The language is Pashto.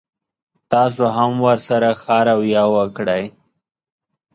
تاسو هم ورسره ښه رويه وکړئ.